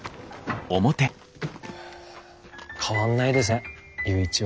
変わんないですね裕一は。